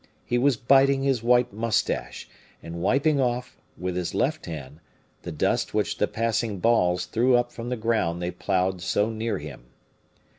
He was biting his white mustache, and wiping off, with his left hand, the dust which the passing balls threw up from the ground they plowed so near him.